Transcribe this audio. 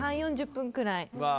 ３０４０分くらい。